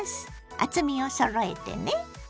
厚みをそろえてね。